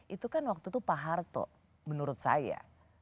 itu kan waktu itu pak harto menurut saya